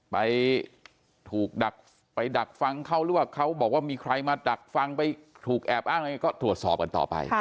ไปถูกดักไปดักฟังเขาหรือว่าเขาบอกว่ามีใครมาดักฟังไปถูกแอบอ้างอะไรก็ตรวจสอบกันต่อไป